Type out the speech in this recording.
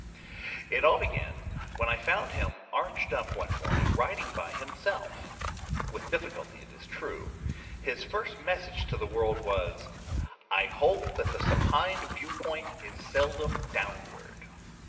"It all began when I found him arched up one morning, writing by himself with difficulty, it is true. His first message to the world was, '_I hold that the supine viewpoint is seldom downward!